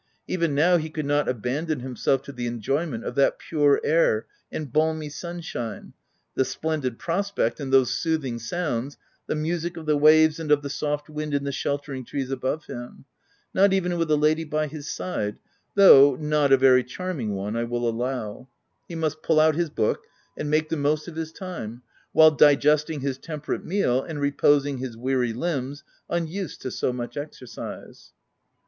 Even now, he could not abandon himself to the enjoyment of that pure air and balmy sunshine — that splendid prospect, and those soothing sounds, the music of the waves and of the soft w T ind in the sheltering trees above him — not even with a lady by his side (though not a very charming one, I will allow) — he must pull out his book, and make the most of his time while digesting his temperate meal, and reposing his weary limbs, unused to so much exercise.